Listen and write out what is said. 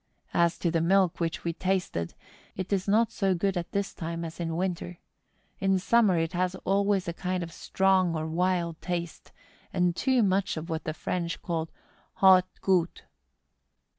As to the milk which we tasted, it is not so good at this time as in winter. In summer it has always a kind of strong or wild taste, and too much of what the French call haut gout.